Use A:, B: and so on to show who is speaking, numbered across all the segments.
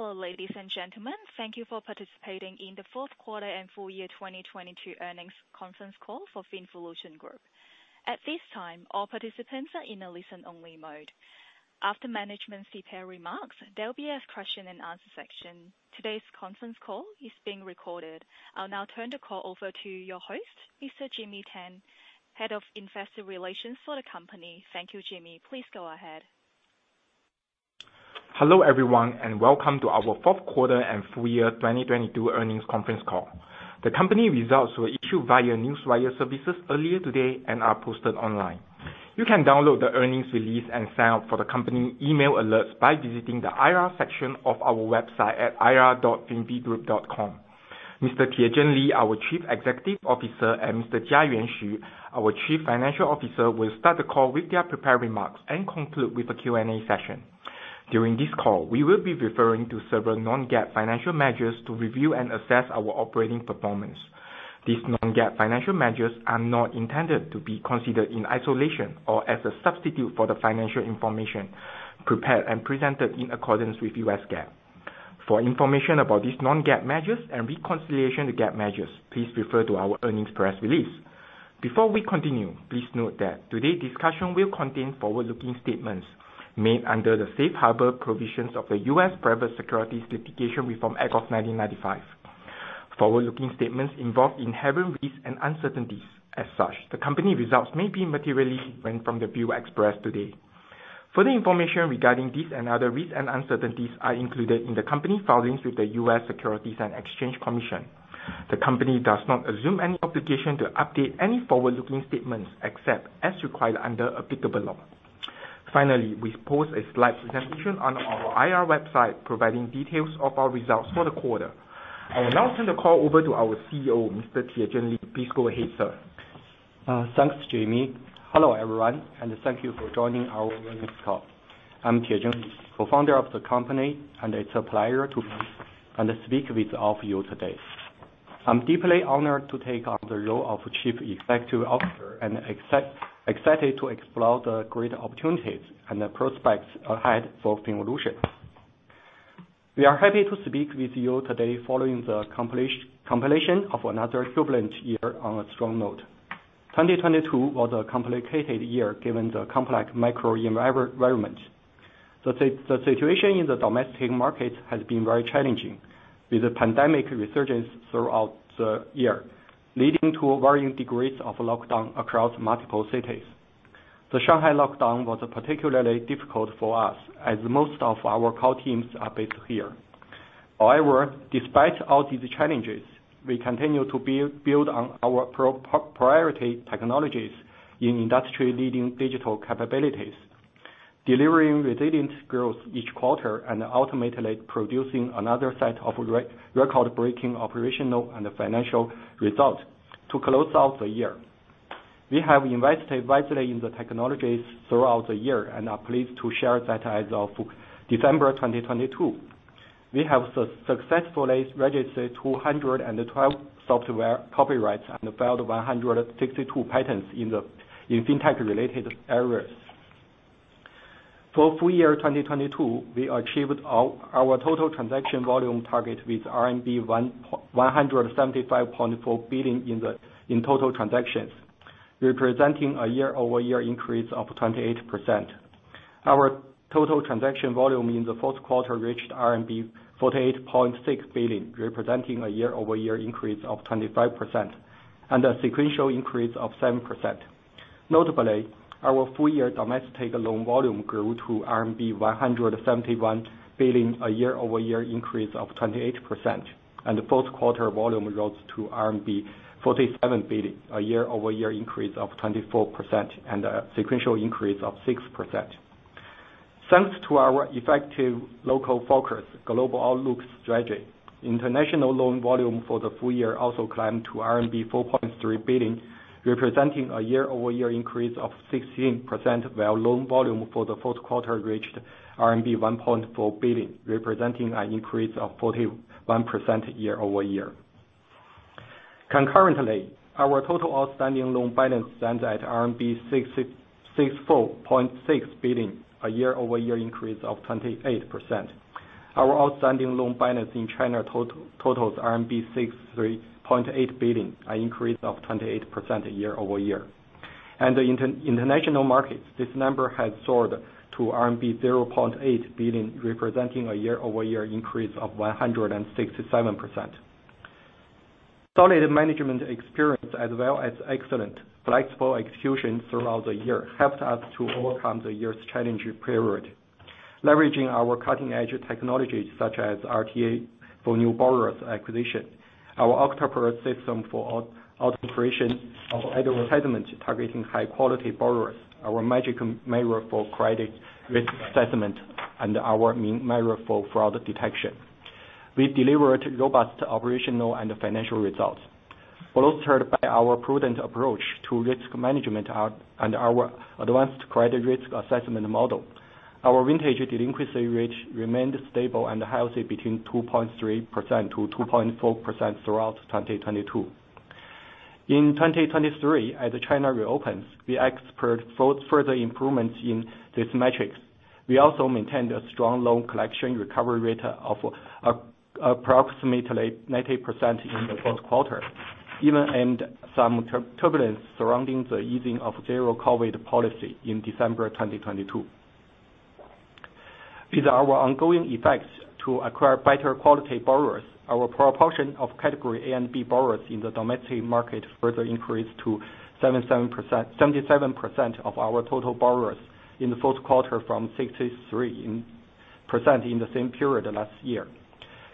A: Hello, ladies and gentlemen. Thank you for participating in the Q4 and Full Year 2022 Earnings Conference Call for FinVolution Group. At this time, all participants are in a listen-only mode. After management's prepared remarks, there'll be a question and answer section. Today's conference call is being recorded. I'll now turn the call over to your host, Mr. Jimmy Tan, Head of Investor Relations for the company. Thank you, Jimmy. Please go ahead..
B: Hello, everyone, and welcome to our Q4 and Full Year 2022 Earnings Conference Call. The company results were issued via newswire services earlier today and are posted online. You can download the earnings release and sign up for the company email alerts by visiting the IR section of our website at ir.finvgroup.com. Mr. Tiezheng Li, our Chief Executive Officer, and Mr. Jiayuan Xu, our Chief Financial Officer, will start the call with their prepared remarks and conclude with a Q&A session. During this call, we will be referring to several non-GAAP financial measures to review and assess our operating performance. These non-GAAP financial measures are not intended to be considered in isolation or as a substitute for the financial information prepared and presented in accordance with U.S. GAAP. For information about these non-GAAP measures and reconciliation to GAAP measures, please refer to our earnings press release. Before we continue, please note that today's discussion will contain forward-looking statements made under the Safe Harbor provisions of the U.S. Private Securities Litigation Reform Act of 1995. Forward-looking statements involve inherent risks and uncertainties. As such, the company results may be materially different from the view expressed today. Further information regarding these and other risks and uncertainties are included in the company's filings with the U.S. Securities and Exchange Commission. The company does not assume any obligation to update any forward-looking statements except as required under applicable law. Finally, we post a slide presentation on our IR website providing details of our results for the quarter. I will now turn the call over to our CEO, Mr. Tiezheng Li. Please go ahead, sir.
C: Thanks, Jimmy. Hello, everyone, and thank you for joining our earnings call. I'm Tiezheng Li, Co-founder of the company, and it's a pleasure to speak with all of you today. I'm deeply honored to take on the role of Chief Executive Officer and excited to explore the great opportunities and the prospects ahead for FinVolution. We are happy to speak with you today following the completion of another turbulent year on a strong note. 2022 was a complicated year given the complex macro environment. The situation in the domestic market has been very challenging, with a pandemic resurgence throughout the year, leading to varying degrees of lockdown across multiple cities. The Shanghai lockdown was particularly difficult for us, as most of our core teams are based here. Despite all these challenges, we continue to build on our proprietary technologies in industry-leading digital capabilities, delivering resilient growth each quarter and ultimately producing another set of record-breaking operational and financial results to close out the year. We have invested wisely in the technologies throughout the year and are pleased to share that as of December 2022, we have successfully registered 212 software copyrights and filed 162 patents in fintech-related areas. For full year 2022, we achieved our total transaction volume target with RMB 175.4 billion in total transactions, representing a year-over-year increase of 28%. Our total transaction volume in the Q4 reached RMB 48.6 billion, representing a year-over-year increase of 25%, and a sequential increase of 7%. Notably, our full year domestic loan volume grew to RMB 171 billion, a year-over-year increase of 28%. Q4 volume rose to RMB 47 billion, a year-over-year increase of 24% and a sequential increase of 6%. Thanks to our effective local focus, global outlook strategy, international loan volume for the full year also climbed to RMB 4.3 billion, representing a year-over-year increase of 16%. Loan volume for the Q4 reached RMB 1.4 billion, representing an increase of 41% year-over-year. Concurrently, our total outstanding loan balance stands at RMB 64.6 billion, a year-over-year increase of 28%. Our outstanding loan balance in China totals RMB 63.8 billion, an increase of 28% year-over-year. The international markets, this number has soared to RMB 0.8 billion, representing a year-over-year increase of 167%. Solid management experience as well as excellent flexible execution throughout the year helped us to overcome the year's challenging period. Leveraging our cutting-edge technologies such as RTA for new borrowers acquisition, our Octopus system for auto creation of idle investments targeting high quality borrowers, our Magic Mirror for credit risk assessment, and our Ming Mirror for fraud detection. We delivered robust operational and financial results. Bolstered by our prudent approach to risk management and our advanced credit risk assessment model, our vintage delinquency rate remained stable and healthy between 2.3%-2.4% throughout 2022. In 2023, as China reopens, we expect further improvements in these metrics. We also maintained a strong loan collection recovery rate of approximately 90% in the Q4, even amid some turbulence surrounding the easing of zero COVID policy in December 2022. With our ongoing effects to acquire better quality borrowers, our proportion of Category A and B borrowers in the domestic market further increased to 77% of our total borrowers in the Q4 from 63% in the same period last year.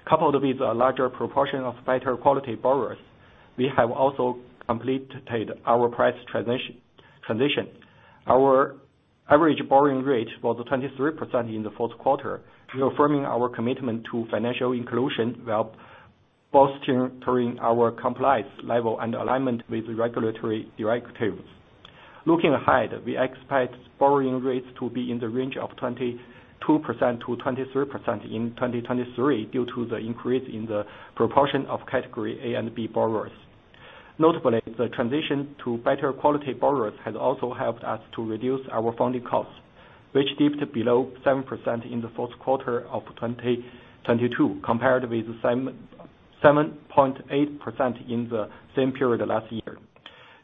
C: Coupled with a larger proportion of better quality borrowers, we have also completed our price transition. Our average borrowing rate was 23% in the Q4, reaffirming our commitment to financial inclusion while bolstering our compliance level and alignment with regulatory directives. Looking ahead, we expect borrowing rates to be in the range of 22%-23% in 2023 due to the increase in the proportion of Category A and B borrowers. Notably, the transition to better quality borrowers has also helped us to reduce our funding costs, which dipped below 7% in the Q4 of 2022 compared with 7.8% in the same period last year.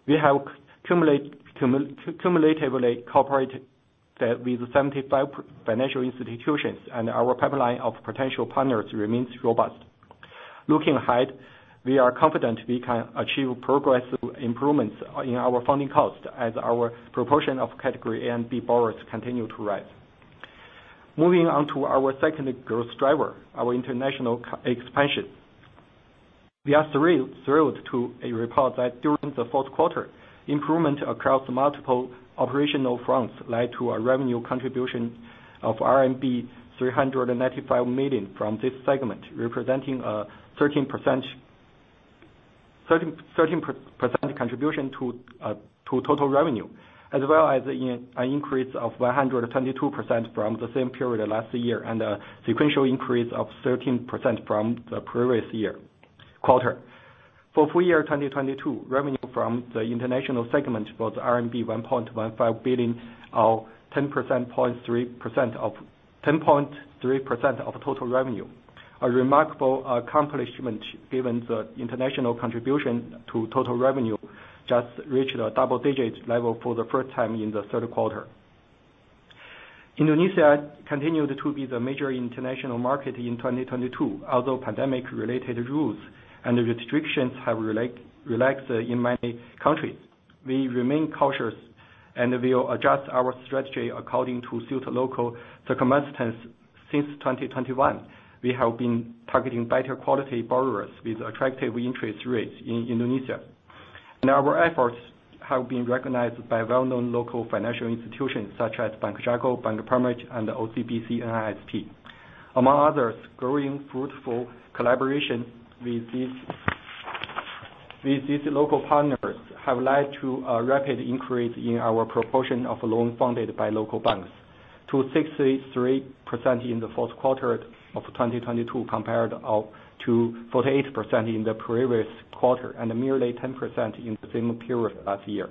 C: We have cumulatively cooperated with 75 financial institutions, and our pipeline of potential partners remains robust. Looking ahead, we are confident we can achieve progressive improvements in our funding cost as our proportion of Category A and B borrowers continue to rise. Moving on to our second growth driver, our international expansion. We are thrilled to report that during the Q4, improvement across multiple operational fronts led to a revenue contribution of RMB 395 million from this segment, representing 13% contribution to total revenue, as well as an increase of 122% from the same period last year, and a sequential increase of 13% from the previous year quarter. For full year 2022, revenue from the international segment was RMB 1.15 billion, or 10.3% of total revenue. A remarkable accomplishment given the international contribution to total revenue just reached a double-digit level for the first time in the Q3. Indonesia continued to be the major international market in 2022. Although pandemic related rules and restrictions have relaxed in many countries, we remain cautious, we will adjust our strategy according to suit local circumstances. Since 2021, we have been targeting better quality borrowers with attractive interest rates in Indonesia. Our efforts have been recognized by well-known local financial institutions such as Bank Jago, Bank Permata, and OCBC NISP. Among others, growing fruitful collaboration with these local partners have led to a rapid increase in our proportion of loans funded by local banks to 63% in the Q4 of 2022, compared to 48% in the previous quarter, and merely 10% in the same period last year.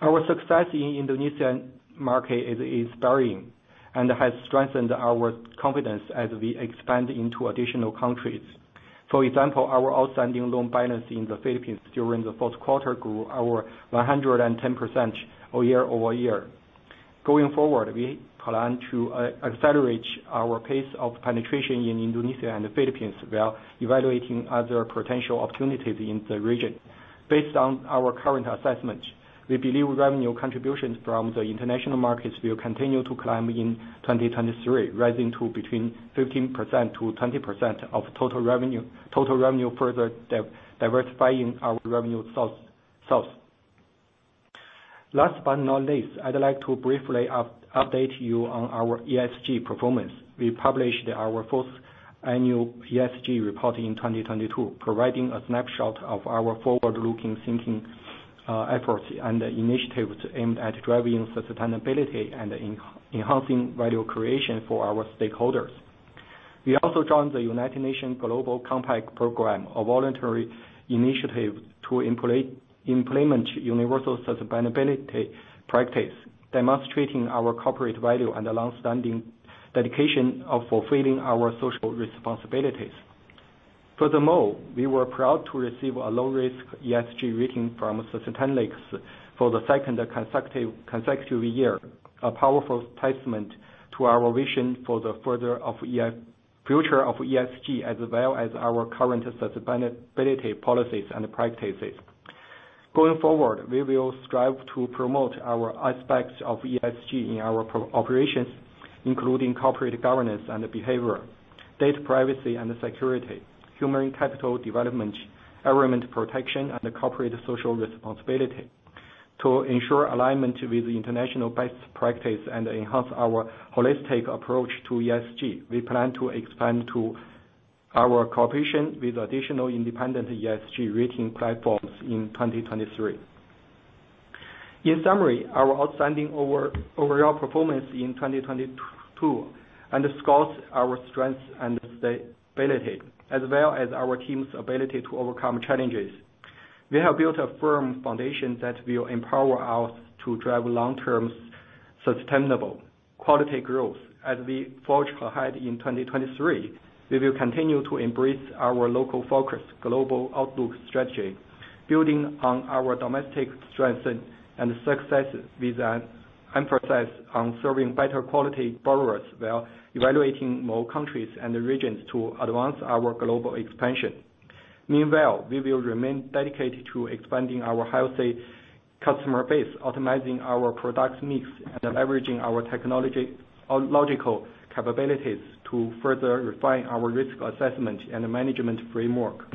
C: Our success in Indonesian market is inspiring and has strengthened our confidence as we expand into additional countries. For example, our outstanding loan balance in the Philippines during the Q4 grew over 110% year-over-year. We plan to accelerate our pace of penetration in Indonesia and the Philippines, while evaluating other potential opportunities in the region. Based on our current assessment, we believe revenue contributions from the international markets will continue to climb in 2023, rising to between 15%-20% of total revenue, further diversifying our revenue source. I'd like to briefly update you on our ESG performance. We published our first annual ESG report in 2022, providing a snapshot of our forward-looking thinking, efforts and initiatives aimed at driving sustainability and enhancing value creation for our stakeholders. We also joined the United Nations Global Compact program, a voluntary initiative to implement universal sustainability practice, demonstrating our corporate value and a long-standing dedication of fulfilling our social responsibilities. Furthermore, we were proud to receive a low-risk ESG rating from Sustainalytics for the second consecutive year, a powerful testament to our vision for the future of ESG, as well as our current sustainability policies and practices. Going forward, we will strive to promote our aspects of ESG in our operations, including corporate governance and behavior, data privacy and security, human capital development, environment protection, and corporate social responsibility. To ensure alignment with international best practice and enhance our holistic approach to ESG, we plan to expand to our cooperation with additional independent ESG rating platforms in 2023. In summary, our outstanding overall performance in 2022 underscores our strength and stability, as well as our team's ability to overcome challenges. We have built a firm foundation that will empower us to drive long-term sustainable quality growth. As we forge ahead in 2023, we will continue to embrace our local focus, global outlook strategy, building on our domestic strengths and successes with an emphasis on serving better quality borrowers while evaluating more countries and regions to advance our global expansion. Meanwhile, we will remain dedicated to expanding our high city customer base, optimizing our product mix, and leveraging our technological capabilities to further refine our risk assessment and management framework.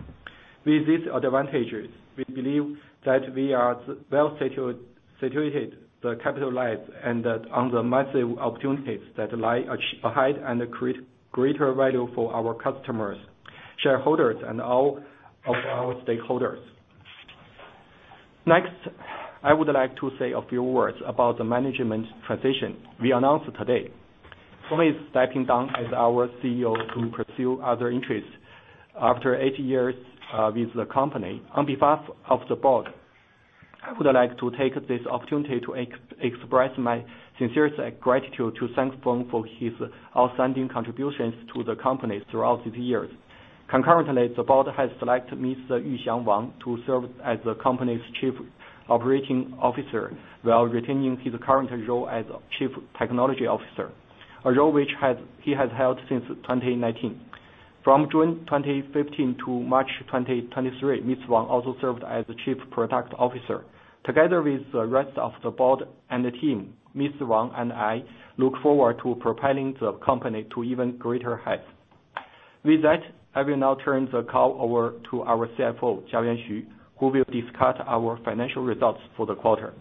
C: With these advantages, we believe that we are well situated to capitalize on the massive opportunities that lie ahead and create greater value for our customers, shareholders, and all of our stakeholders. Next, I would like to say a few words about the management transition we announced today. Feng is stepping down as our CEO to pursue other interests after eight years with the company. On behalf of the board, I would like to take this opportunity to express my sincerest gratitude to thank Feng for his outstanding contributions to the company throughout the years. Concurrently, the board has selected Mr. Yuxiang Wang to serve as the company's Chief Operating Officer, while retaining his current role as Chief Technology Officer, a role which he has held since 2019. From June 2015 to March 2023, Mr. Wang also served as the Chief Product Officer. Together with the rest of the board and the team, Mr. Wang and I look forward to propelling the company to even greater heights. With that, I will now turn the call over to our CFO, Jiayuan Xu, who will discuss our financial results for the quarter.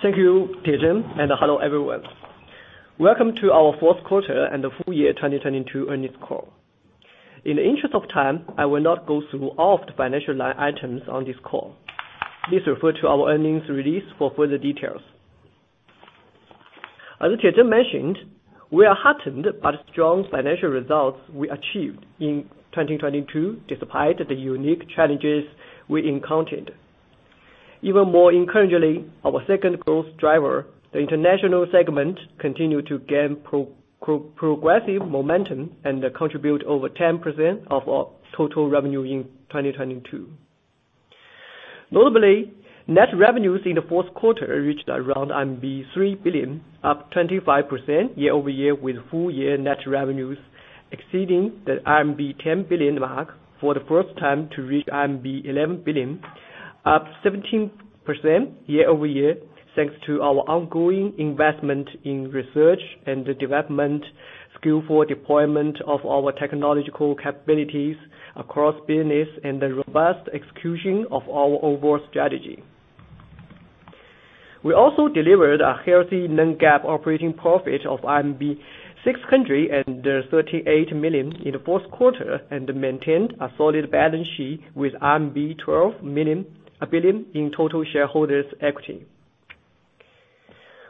D: Thank you, Tiezheng, and hello everyone. Welcome to our Q4 and the full year 2022 earnings call. In the interest of time, I will not go through all of the financial line items on this call. Please refer to our earnings release for further details. As Tiezheng mentioned, we are heartened by the strong financial results we achieved in 2022 despite the unique challenges we encountered. Even more encouragingly, our second growth driver, the international segment, continued to gain progressive momentum and contribute over 10% of our total revenue in 2022. Notably, net revenues in the Q4 reached around 3 billion, up 25% year-over-year, with full year net revenues exceeding the RMB 10 billion mark for the first time to reach RMB 11 billion, up 17% year-over-year, thanks to our ongoing investment in research and development, skillful deployment of our technological capabilities across business, and the robust execution of our overall strategy. We also delivered a healthy non-GAAP operating profit of 638 million in the Q4, and maintained a solid balance sheet with 12 billion in total shareholders' equity.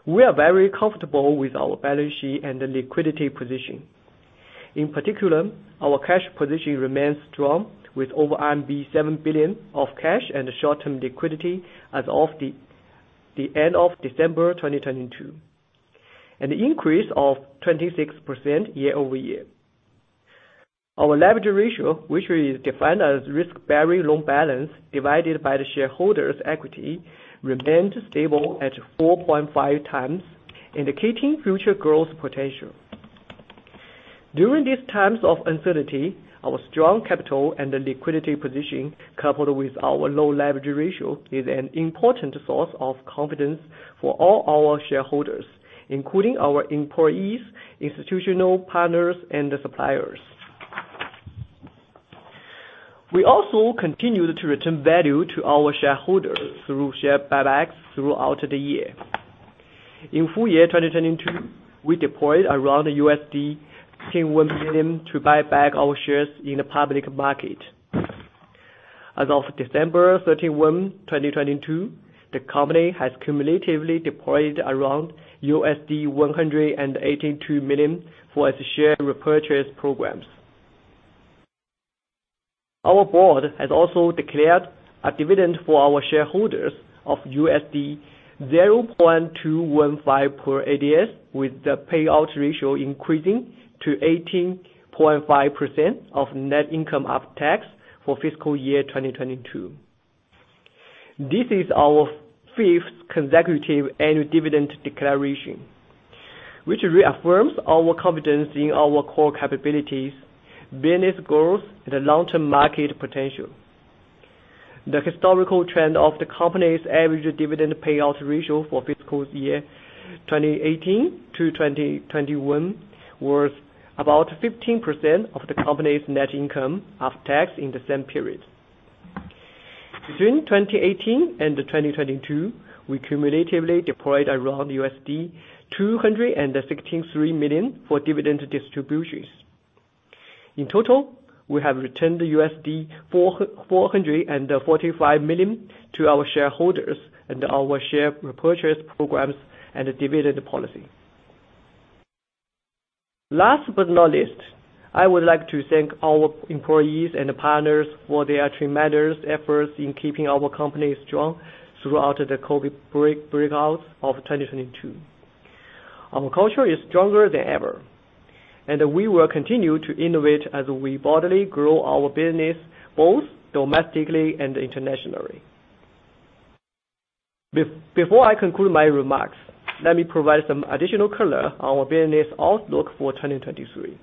D: We are very comfortable with our balance sheet and the liquidity position. In particular, our cash position remains strong with over RMB 7 billion of cash and short-term liquidity as of the end of December 2022, an increase of 26% year-over-year. Our leverage ratio, which is defined as risk-bearing loan balance divided by the shareholders' equity, remained stable at 4.5x, indicating future growth potential. During these times of uncertainty, our strong capital and the liquidity position, coupled with our low leverage ratio, is an important source of confidence for all our shareholders, including our employees, institutional partners, and suppliers. We also continued to return value to our shareholders through share buybacks throughout the year. In full year 2022, we deployed around $10 million to buy back our shares in the public market. As of December 31, 2022, the company has cumulatively deployed around $182 million for its share repurchase programs. Our board has also declared a dividend for our shareholders of $0.215 per ADS, with the payout ratio increasing to 18.5% of net income of tax for fiscal year 2022. This is our fifth consecutive annual dividend declaration, which reaffirms our confidence in our core capabilities, business growth, and the long-term market potential. The historical trend of the company's average dividend payout ratio for fiscal year 2018 to 2021 was about 15% of the company's net income of tax in the same period. Between 2018 and 2022, we cumulatively deployed around $263 million for dividend distributions. In total, we have returned $445 million to our shareholders and our share repurchase programs and dividend policy. Last but not least, I would like to thank our employees and partners for their tremendous efforts in keeping our company strong throughout the COVID breakout of 2022. Our culture is stronger than ever, and we will continue to innovate as we broadly grow our business both domestically and internationally. Before I conclude my remarks, let me provide some additional color on our business outlook for 2023.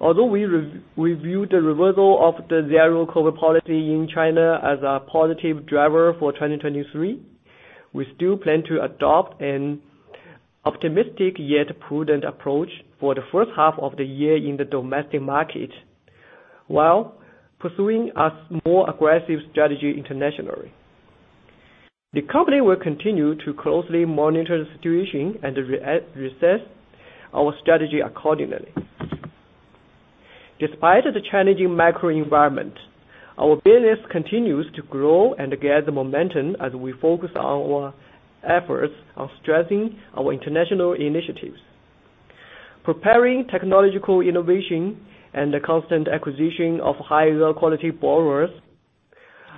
D: Although we review the reversal of the zero-COVID policy in China as a positive driver for 2023, we still plan to adopt an optimistic yet prudent approach for the first half of the year in the domestic market, while pursuing a more aggressive strategy internationally. The company will continue to closely monitor the situation and re-assess our strategy accordingly. Despite the challenging macro environment, our business continues to grow and gather momentum as we focus our efforts on strengthening our international initiatives. Preparing technological innovation and the constant acquisition of high-quality borrowers.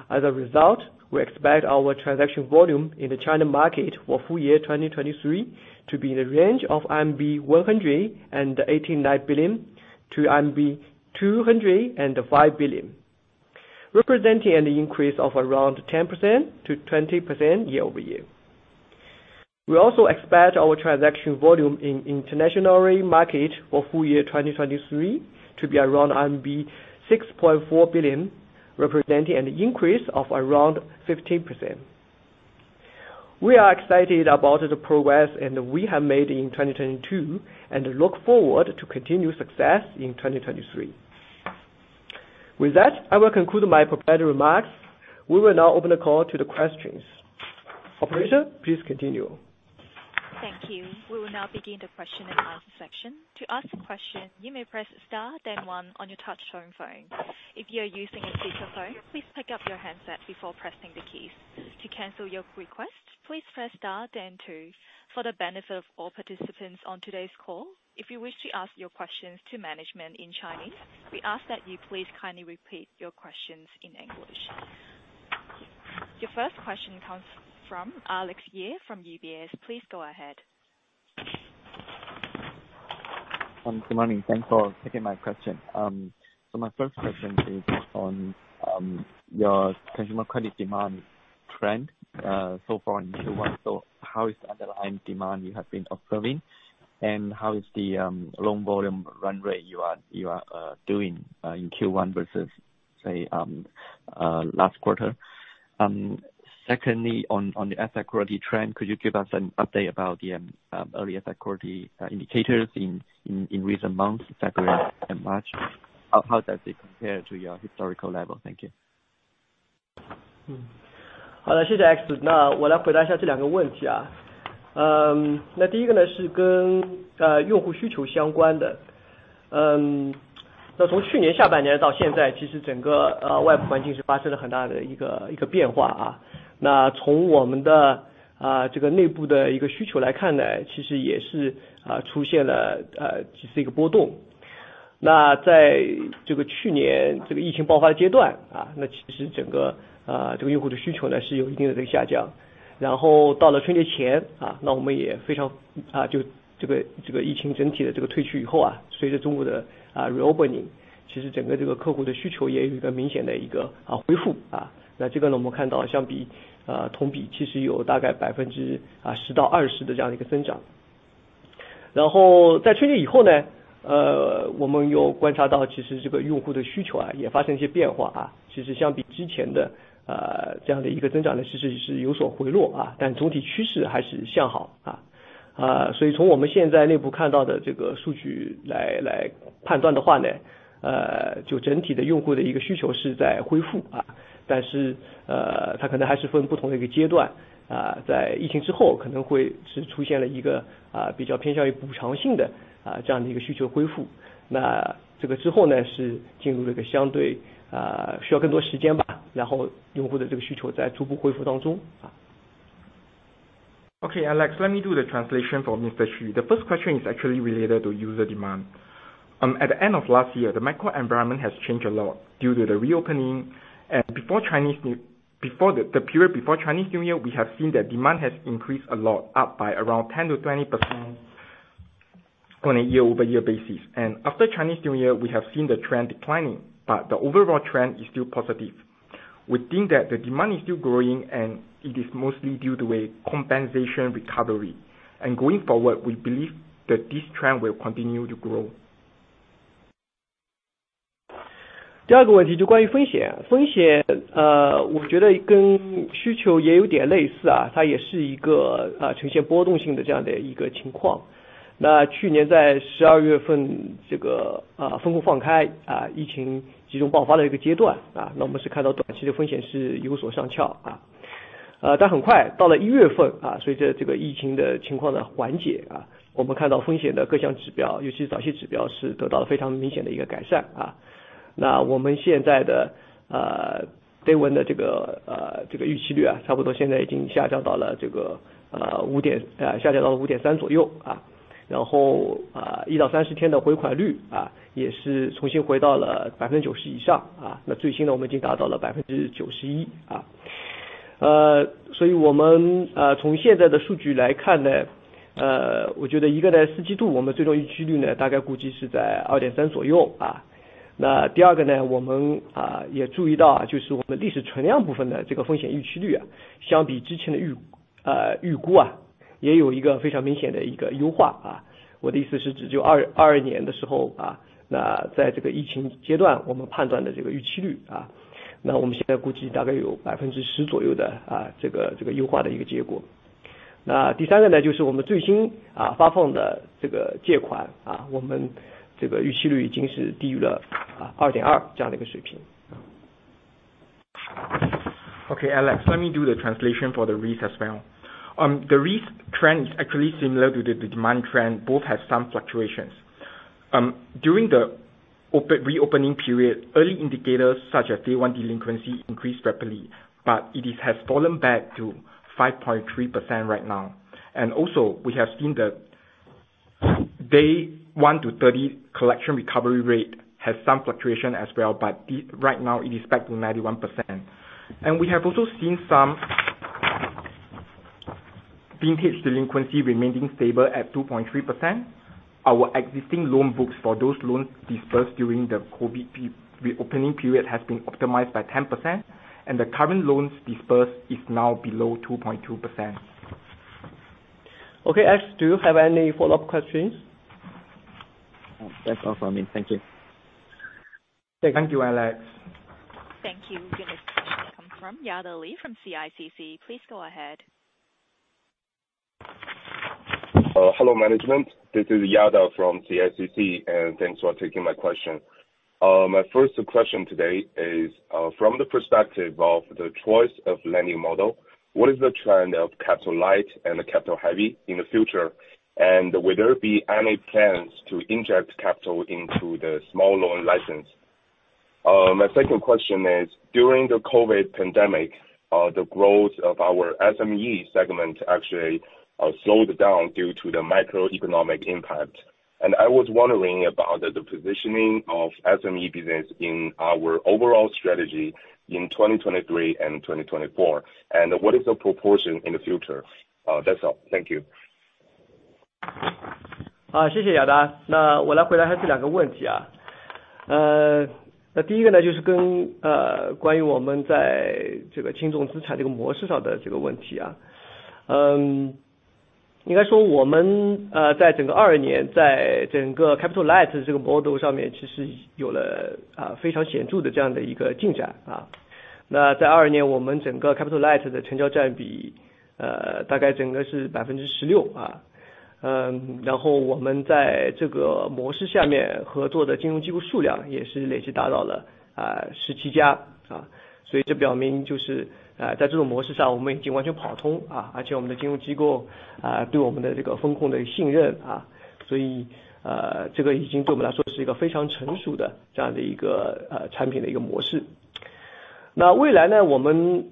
D: As a result, we expect our transaction volume in the China market for full year 2023 to be in the range of RMB 189 billion to RMB 205 billion, representing an increase of around 10%-20% year-over-year. We also expect our transaction volume in international market for full year 2023 to be around RMB 6.4 billion, representing an increase of around 15%. We are excited about the progress and we have made in 2022 and look forward to continued success in 2023. With that, I will conclude my prepared remarks. We will now open the call to the questions. Operator, please continue.
A: Thank you. We will now begin the question and answer section. To ask a question, you may press star then one on your touchtone phone. If you are using a speakerphone, please pick up your handset before pressing the keys. To cancel your request, please press star then two. For the benefit of all participants on today's call, if you wish to ask your questions to management in Chinese, we ask that you please kindly repeat your questions in English. Your first question comes from Alex Ye from UBS. Please go ahead.
E: Good morning. Thanks for taking my question. My first question is on your consumer credit demand trend so far in Q1. How is the underlying demand you have been observing, and how is the loan volume run rate you are doing in Q1 versus, say, last quarter? Secondly, on the asset quality trend, could you give us an update about the early asset quality indicators in recent months, February and March? How does it compare to your historical level? Thank you.
D: 好 的， 谢谢 Alex， 那我来回答一下这两个问题啊。嗯， 那第一个 呢， 是 跟， 呃， 用户需求相关的。嗯， 那从去年下半年到现 在， 其实整 个， 呃， 外部环境是发生了很大的一 个， 一个变化啊。那从我们 的， 啊， 这个内部的一个需求来看 呢， 其实也 是， 啊， 出现 了， 呃， 其实一个波动。那在这个去年这个疫情爆发的阶 段， 啊， 那其实整 个， 啊， 这个用户的需求 呢， 是有一定的这个下降。然后到了春节 前， 啊， 那我们也非 常， 啊， 就这 个， 这个疫情整体的这个退去以后 啊， 随着中国 的， 啊 ，reopening， 其实整个这个客户的需求也有一个明显的一 个， 啊， 恢复啊。那这个 呢， 我们看到相 比， 呃， 同比其实有大概百分 之， 啊， 十到二十的这样一个增长。然后在春节以后 呢， 呃， 我们又观察 到， 其实这个用户的需求 啊， 也发生一些变化啊。其实相比之前 的， 呃， 这样的一个增长 呢， 其实是有所回落 啊， 但总体趋势还是向好啊。啊， 所以从我们现在内部看到的这个数据 来， 来判断的话 呢， 呃，就整体的用户的一个需求是在恢 复， 啊， 但 是， 呃， 它可能还是分不同的一个阶段。啊， 在疫情之 后， 可能会是出现了一 个， 啊， 比较偏向于补偿性 的， 啊， 这样的一个需求恢复。那这个之后 呢， 是进入了一个相 对， 呃， 需要更多时间 吧， 然后用户的这个需求在逐步恢复当中啊。
B: Okay, Alex, let me do the translation for Mr. Xu. The first question is actually related to user demand. At the end of last year, the macro environment has changed a lot due to the reopening and the period before Chinese New Year, we have seen that demand has increased a lot, up by around 10%-20% on a year-over-year basis. After Chinese New Year, we have seen the trend declining, but the overall trend is still positive. We think that the demand is still growing, and it is mostly due to a compensation recovery. Going forward, we believe that this trend will continue to grow.
D: 第二个问题就关于风险。风 险， 呃， 我觉得跟需求也有点类似 啊， 它也是一 个， 呃， 呈现波动性的这样的一个情况。那去年在十二月 份， 这 个， 呃， 封控放 开， 啊， 疫情集中爆发的一个阶 段， 啊， 那我们是看到短期的风险是有所上翘啊。呃但很快到了一月份 啊， 随着这个疫情的情况的缓解 啊， 我们看到风险的各项指 标， 尤其早期指标是得到了非常明显的一个改善啊。那我们现在的 呃， day one 的这个 呃， 这个逾期率 啊， 差不多现在已经下降到了这个 呃， 五 点， 呃， 下降到了五点三左右啊。然 后， 呃， 一到三十天的回款率 啊， 也是重新回到了百分之九十以上啊。那最新 呢， 我们已经达到了百分之九十一啊。呃， 所以我 们， 呃， 从现在的数据来看 呢， 呃， 我觉得一个 呢， 四季度我们最终逾期率 呢， 大概估计是在二点三左右啊。那第二个 呢， 我们 啊， 也注意到 啊， 就是我们历史存量部分的这个风险逾期率 啊， 相比之前的 预， 呃， 预估 啊， 也有一个非常明显的一个优化啊。我的意思是指就 二， 二二年的时候 啊， 那在这个疫情阶 段， 我们判断的这个逾期率 啊， 那我们现在估计大概有百分之十左右的 啊， 这 个， 这个优化的一个结果。那第三个 呢， 就是我们最 新， 呃， 发放的这个借 款， 啊， 我们这个逾期率已经是低于 了， 啊， 二点二这样的一个水平。
B: Okay Alex, let me do the translation for the risk as well. The risk trend actually similar to the demand trend both have some fluctuations. During the open, reopening period, early indicators such as day-one delinquency increased rapidly, it is has fallen back to 5.3% right now. Also we have seen the day 1 to 30 collection recovery rate has some fluctuation as well, right now it is back to 91%. We have also seen some vintage delinquency remaining stable at 2.3%. Our existing loan books for those loans dispersed during the COVID reopening period has been optimized by 10%, the current loans dispersed is now below 2.2%. Okay Alex, do you have any follow up questions?
E: That's all for me. Thank you.
B: Thank you Alex.
A: Thank you. Your next comes from Yada Li from CICC. Please go ahead.
F: Hello management, this is Yada from CICC, and thanks for taking my question. My first question today is from the perspective of the choice of lending model, what is the trend of capital-light and capital-heavy in the future? Will there be any plans to inject capital into the small loan license? My second question is during the COVID pandemic, the growth of our SME segment actually slowed down due to the macroeconomic impact, and I was wondering about the positioning of SME business in our overall strategy in 2023 and 2024. What is the proportion in the future? That's all. Thank you.
D: 谢谢 Yada. 我来回答一下2个问题。第一个 呢， 就是关于我们在这个 capital-light and capital-heavy 这个模式上的这个问题。应该说我们在整个2022 年， 在整个 capital-light 这个 model 上 面， 其实有了非常显著的这样的一个进展。在2022年我们整个 capital-light 的成交占比大概整个是 16%。我们在这个模式下面合作的金融机构数量也是累计达到了17 家。这表明就是在这种模式上我们已经完全跑 通， 而且我们的金融机构对我们的这个风控的信 任， 这个已经对我们来说是一个非常成熟的这样的一个产品的一个模式。未来 呢， 我们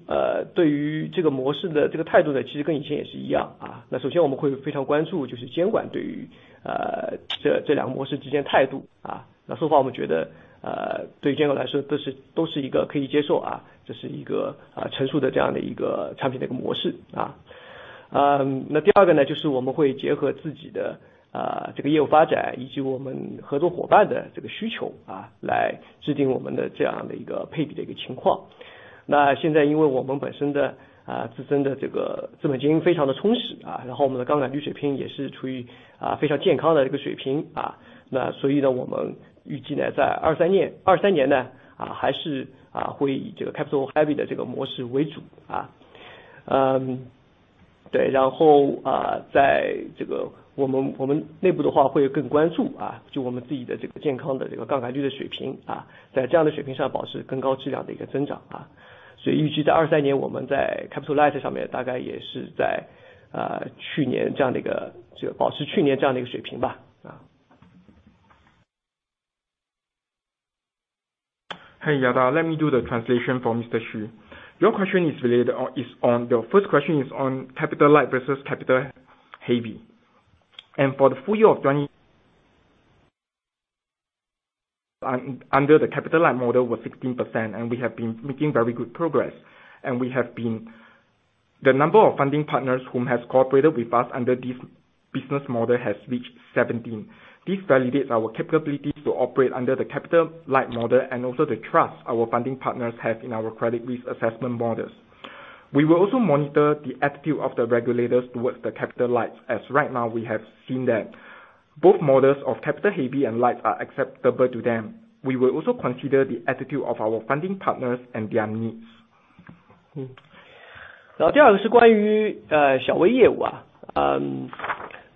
D: 对于这个模式的这个态度 呢， 其实跟以前也是一样。首先我们会非常关 注， 就是监管对于这2个模式之间态度。通常我们觉得对监管来说都是一个可以接 受， 这是一个成熟的这样的一个产品的一个模式。第二个 呢， 就是我们会结合自己的这个业务发 展， 以及我们合作伙伴的这个需求来制定我们的这样的一个配比的一个情况。现在因为我们本身的自身的这个资本金非常的充 实， 我们的 leverage ratio 水平也是处于非常健康的一个水平。我们预计 呢， 在2023 年， 还是会以这个 capital-heavy 的这个模式为主。对， 在这个我们内部的话会更关注我们自己的这个健康的这个 leverage ratio 的水 平， 在这样的水平上保持更高质量的一个增长。预计在2023年我们在 capital-light 上面大概也是在去年这样的一 个， 就保持去年这样的一个水平吧。
B: Hey, Yada, let me do the translation for Mr. Xu. Your first question is on capital-light versus capital-heavy. For the full year of 2020, under the capital-light model was 16%. We have been making very good progress, and the number of funding partners whom has cooperated with us under this business model has reached 17. This validates our capabilities to operate under the capital-light model and also the trust our funding partners have in our credit risk assessment models. We will also monitor the attitude of the regulators towards the capital-lights, as right now we have seen that both models of capital-heavy and capital-light are acceptable to them. We will also consider the attitude of our funding partners and their needs.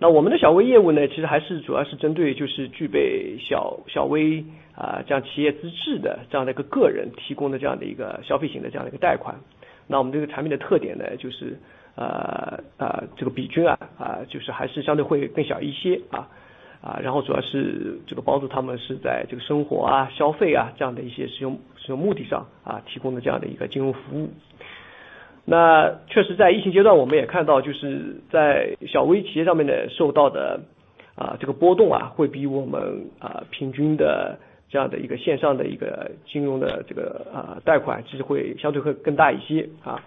D: 那第二个是关 于， 呃， 小微业务 啊， 嗯 -那 我们的小微业务 呢， 其实还是主要是针对就是具备 小， 小 微， 啊， 这样企业资质的这样的一个人提供的这样的一个消费型的这样的一个贷款。那我们这个产品的特点 呢， 就 是， 呃， 呃， 这个比率 啊， 啊， 就是还是相对会更小一 些， 啊。啊， 然后主要是这个帮助他们是在这个生活 啊， 消费 啊， 这样的一些使 用， 使用目的 上， 啊， 提供了这样的一个金融服务。那确实在疫情阶段我们也看 到， 就是在小微企业上面 呢， 受到 的， 呃， 这个波动 啊， 会比我 们， 呃， 平均的这样的一个线上的一个金融的这 个， 呃， 贷款其实会相对会更大一 些， 啊。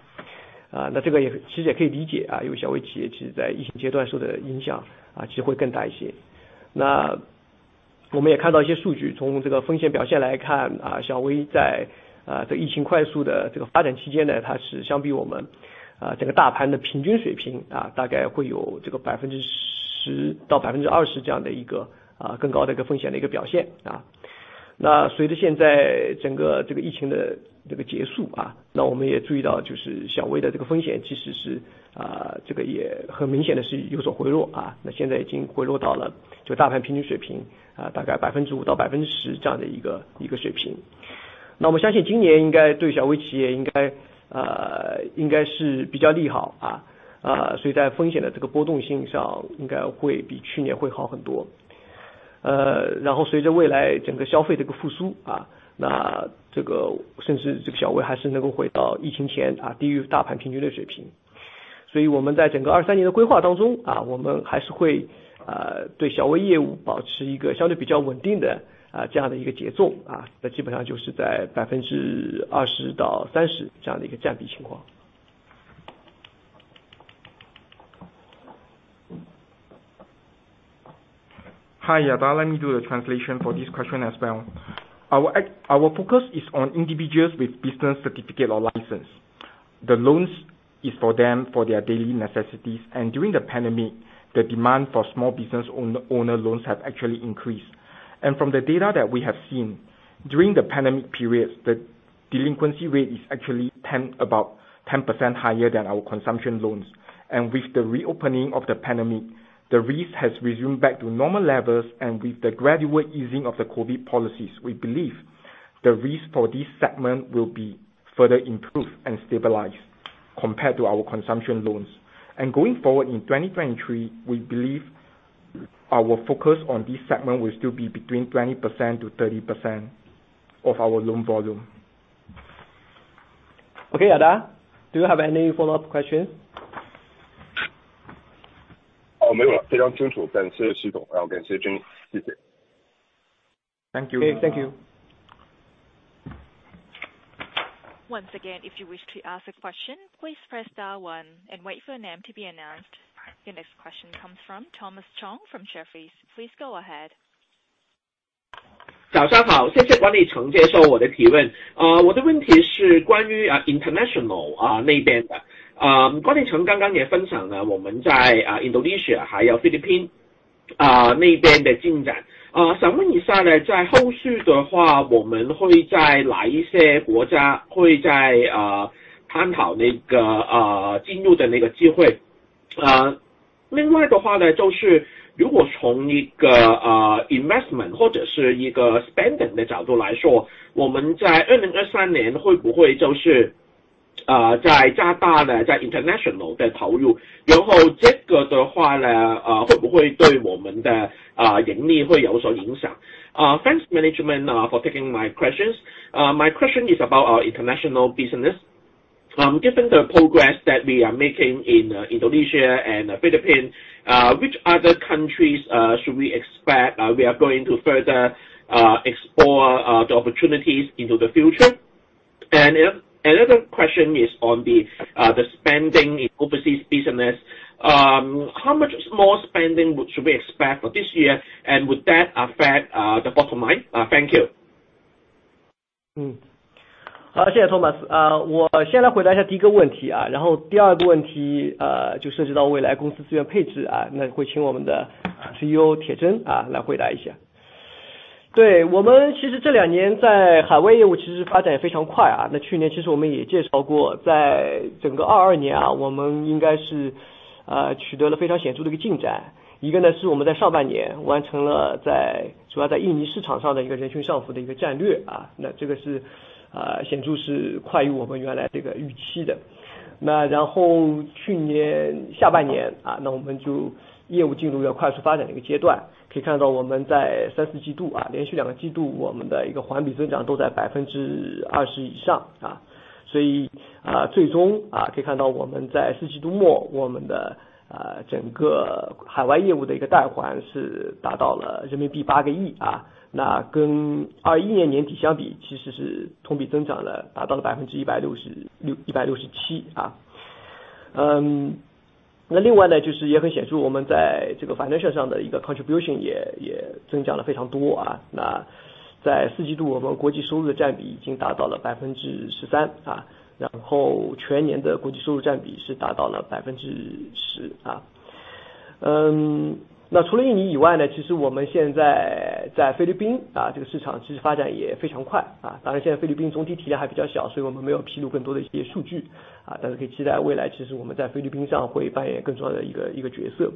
D: 啊， 那这个也其实也可以理 解， 啊， 因为小微企业其实在疫情阶段受的影 响， 啊， 其实会更大一些。那我们也看到一些数 据， 从这个风险表现来 看， 啊， 小微 在， 呃， 这疫情快速的这个发展期间 呢， 它是相比我 们， 呃， 整个大盘的平均水 平， 啊， 大概会有这个百分之十到百分之二十这样的一 个， 啊， 更高的一个风险的一个表 现， 啊。那随着现在整个这个疫情的这个结 束， 啊， 那我们也注意 到， 就是小微的这个风险其实 是， 啊， 这个也很明显的是有所回 落， 啊， 那现在已经回落到了就大盘平均水 平， 啊， 大概百分之五到百分之十这样的一 个， 一个水平。那我相信今年应该对小微企业应 该， 呃， 应该是比较利 好， 啊。呃， 所以在风险的这个波动性上应该会比去年会好很多。呃， 然后随着未来整个消费这个复 苏， 啊， 那这个甚至这个小微还是能够回到疫情 前， 啊， 低于大盘平均的水平。所以我们在整个二三年的规划当 中， 啊， 我们还是 会， 呃， 对小微业务保持一个相对比较稳定的， 呃， 这样的一个节 奏， 啊。那基本上就是在百分之二十到三十这样的一个占比情况。
B: Hi, Yada, let me do the translation for this question as well. Our focus is on individuals with business certificate or license. The loans is for them for their daily necessities. During the pandemic, the demand for small business owner loans have actually increased. From the data that we have seen, during the pandemic period, the delinquency rate is actually about 10% higher than our consumption loans. With the reopening of the pandemic, the risk has resumed back to normal levels. With the gradual easing of the COVID policies, we believe the risk for this segment will be further improved and stabilized compared to our consumption loans. Going forward in 2023, we believe our focus on this segment will still be between 20%-30% of our loan volume.
D: OK, Yada, do you have any follow up questions?
F: 哦， 没有 了， 非常清楚。感谢徐 总， 也感谢 Junie， 谢谢。
B: Thank you.
D: OK, thank you.
A: Once again, if you wish to ask a question, please press star one and wait for your name to be announced. Your next question comes from Thomas Chong from Jefferies. Please go ahead.
G: 早上 好， 谢谢管理层接受我的提问。我的问题是关于 international 那边的。管理层刚刚也分享了我们在印度尼西亚还有菲律宾那边的进 展， 想问一下 呢， 在后续的 话， 我们会在哪一些国家会再探讨那个进入的那个机会。另外的话 呢， 就是如果从一个 investment 或者是一个 spending 的角度来 说， 我们在2023年会不会就是再加大呢在 international 的投 入， 然后这个的话 呢， 会不会对我们的盈利会有所影 响？ Thanks management for taking my questions. My question is about our international business. Given the progress that we are making in Indonesia and Philippines, which other countries should we expect we are going to further explore the opportunities into the future? Another question is on the spending in overseas business. How much more spending should we expect for this year? Would that affect the bottom line? Thank you.
D: 嗯。好， 谢谢 Thomas。呃， 我先来回答一下第一个问题 啊， 然后第二个问 题， 呃， 就涉及到未来公司资源配置 啊， 那会请我们的 CEO 铁 铮， 啊， 来回答一下。对， 我们其实这两年在海外业务其实发展也非常快 啊， 那去年其实我们也介绍 过， 在整个二二年 啊， 我们应该 是， 呃， 取得了非常显著的一个进展。一个呢是我们在上半年完成了在主要在印尼市场上的一个人群上浮的一个战 略， 啊， 那这个 是， 呃， 显著是快于我们原来这个预期的。那然后去年下半 年， 啊， 那我们就业务进入比较快速发展的一个阶 段， 可以看到我们在三四季度 啊， 连续两个季度我们的一个环比增长都在百分之二十以上啊。所 以， 呃， 最 终， 啊， 可以看到我们在四季度 末， 我们 的， 呃， 整个海外业务的一个贷还的是达到了人民币八个亿 啊， 那跟二一年年底相 比， 其实是同比增长 了， 达到了百分之一百六十 六， 一百六十七啊。嗯， 那另外 呢， 就是也很显 著， 我们在这个 financial 上的一个 contribution 也， 也增加了非常多啊。那在四季度我们国际收入的占比已经达到了百分之十三啊，然后全年的国际收入占比是达到了百分之十啊。嗯除了印尼以外 呢， 其实我们现在在菲律 宾， 这个市场其实发展也非常快。当然现在菲律宾总体体量还比较 小， 所以我们没有披露更多的一些数 据， 但是可以期待未来其实我们在菲律宾上会扮演更重要的一个角色。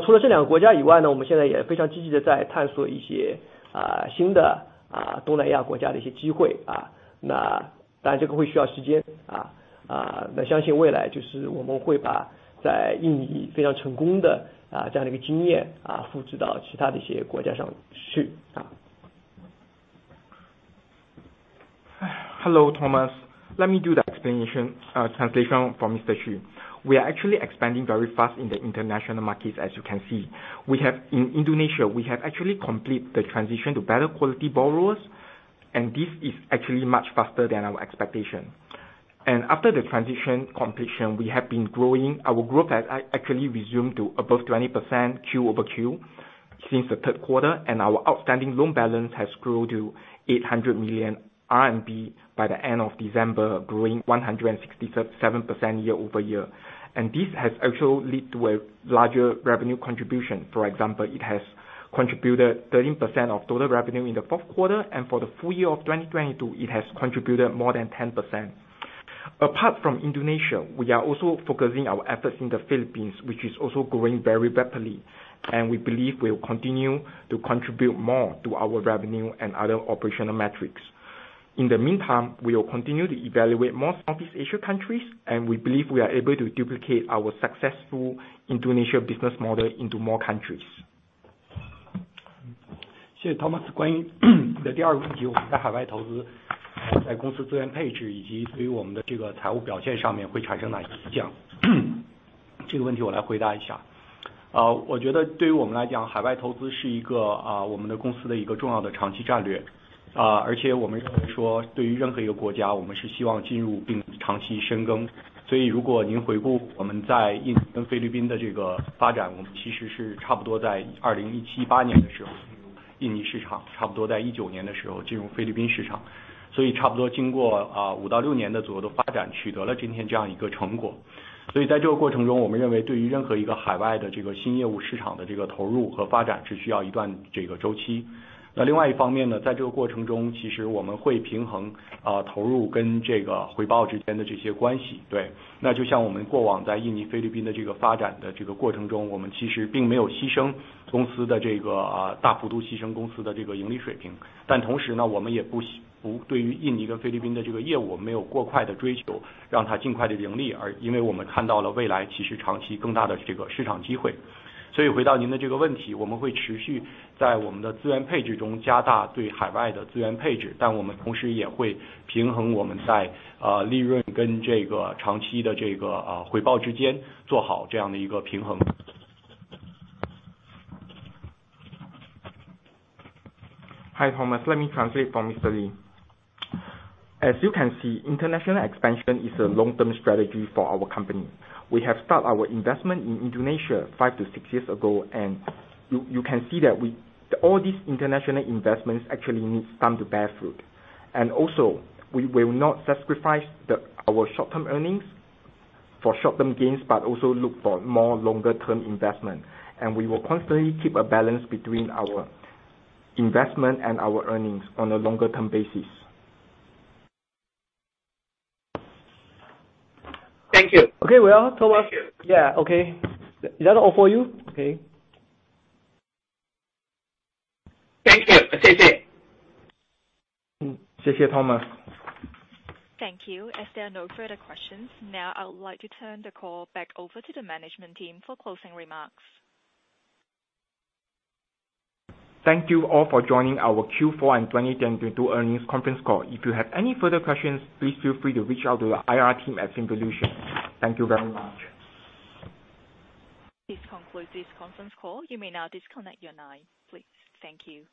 D: 除了这两个国家以外 呢， 我们现在也非常积极地在探索一些新的东南亚国家的一些机会。当然这个会需要时 间， 相信未来就是我们会把在印尼非常成功的这样的经验复制到其他的一些国家上去。
B: Hello Thomas, let me do the explanation, translation for Mr. Xu. We are actually expanding very fast in the international markets as you can see, we have in Indonesia, we have actually complete the transition to better quality borrowers and this is actually much faster than our expectation. After the transition completion we have been growing, our growth has actually resume to above 20% quarter-over-quarter since the Q3, and our outstanding loan balance has grown to 800 million RMB by the end of December, growing 167% year-over-year. This has actually lead to a larger revenue contribution. For example, it has contributed 13% of total revenue in the Q4 and for the full year of 2022, it has contributed more than 10%. Apart from Indonesia, we are also focusing our efforts in the Philippines, which is also growing very rapidly, and we believe we will continue to contribute more to our revenue and other operational metrics. In the meantime, we will continue to evaluate more Southeast Asia countries and we believe we are able to duplicate our successful Indonesia business model into more countries.
C: 谢谢 Thomas. 关于你的第二个问 题， 我们在海外投 资， 在公司资源配置以及对于我们的这个财务表现上面会产生哪些影 响？ 这个问题我来回答一 下. 我觉得对于我们来 讲， 海外投资是一个我们的公司的一个重要的长期战 略， 而且我们认为说对于任何一个国 家， 我们是希望进入并长期深 耕. 如果您回顾我们在印尼跟菲律宾的这个发 展， 我们其实是差不多在 2017、2018 年的时候进入印尼市 场， 差不多在2019年的时候进入菲律宾市 场， 差不多经过5到6年的左右的发 展， 取得了今天这样一个成 果. 在这个过程 中， 我们认为对于任何一个海外的这个新业务市场的这个投入和发 展， 是需要一段这个周 期. 另外一方面 呢， 在这个过程 中， 其实我们会平衡投入跟这个回报之间的这些关 系， 对. 就像我们过往在印尼、菲律宾的这个发展的这个过程 中， 我们其实并没有牺牲公司的这个大幅度牺牲公司的这个盈利水 平. 同时 呢， 我们也不 惜， 不对于印尼跟菲律宾的这个业 务， 没有过快地追求让它尽快地盈 利， 而因为我们看到了未来其实长期更大的这个市场机 会. 回到您的这个问 题， 我们会持续在我们的资源配置中加大对海外的资源配 置， 我们同时也会平衡我们在利润跟这个长期的这个回报之间做好这样的一个平 衡.
B: Hi Thomas, Let me translate for Mr. Li. As you can see international expansion is a long-term strategy for our company. We have start our investment in Indonesia 5-6 years ago and you can see that we, all these international investments actually need some to bear fruit. Also we will not sacrifice our short-term earnings for short-term gains but also look for more longer-term investment. We will constantly keep a balance between our investment and our earnings on a longer-term basis.
G: Thank you.
B: We're all Thomas.
C: Thank you.
B: Yeah. Okay. Is that all for you? Okay.
G: Thank you. 谢 谢.
C: 谢谢 Thomas.
A: Thank you. As there are no further questions, now I would like to turn the call back over to the management team for closing remarks.
B: Thank you all for joining our Q4 and 2022 earnings conference call. If you have any further questions, please feel free to reach out to the IR team at FinVolution. Thank you very much.
A: This concludes this conference call. You may now disconnect your line please. Thank you.